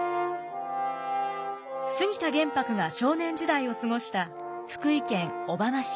杉田玄白が少年時代を過ごした福井県小浜市。